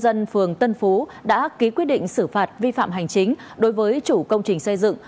và ủy ban nhân dân phường tân phú đã ký quyết định xử phạt vi phạm hành chính đối với chủ công trình xây dựng